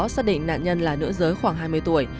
xác định nạn nhân là nữ giới khoảng hai mươi tuổi